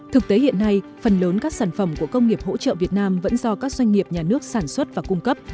thực tế hiện nay phần lớn các sản phẩm của công nghiệp hỗ trợ việt nam vẫn do các doanh nghiệp nhà nước sản xuất và cung cấp